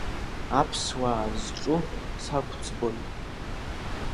Аԥсуаа зҿу сақәӡбоит.